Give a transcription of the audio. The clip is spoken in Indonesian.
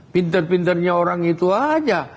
pintar pintarnya orang itu aja